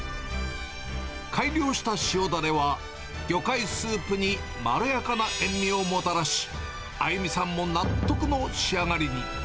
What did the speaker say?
改良した塩だれは、魚介スープにまろやかな塩味をもたらし、あゆみさんも納得の仕上がりに。